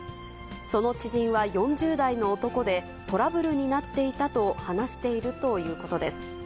その知人は４０代の男で、トラブルになっていたと話しているということです。